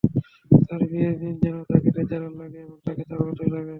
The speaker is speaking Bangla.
তাঁর বিয়ের দিন যেন তাঁকে ন্যাচারাল লাগে এবং তাঁকে তাঁর মতোই লাগে।